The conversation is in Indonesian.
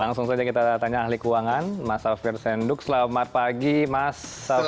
langsung saja kita tanya ahli keuangan mas safir senduk selamat pagi mas safir